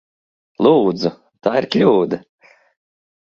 Lūdzu! Tā ir kļūda!